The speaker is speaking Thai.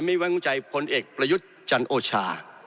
ไม่แวงใจผลเอกประยุทธ์จันทร์โอชา